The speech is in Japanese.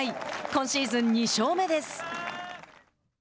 今シーズン２勝目です。